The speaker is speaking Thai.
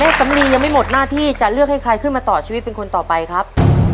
สำลียังไม่หมดหน้าที่จะเลือกให้ใครขึ้นมาต่อชีวิตเป็นคนต่อไปครับ